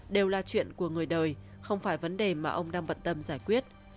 đều là chuyện của người đời không phải vấn đề mà ông đang bận tâm giải quyết